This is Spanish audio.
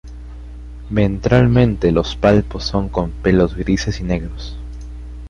Ventralmente los palpos son con pelos grises y negros.